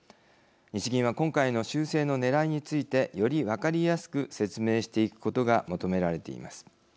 日銀は今回の修正のねらいについてより分かりやすく説明していくことが求められています。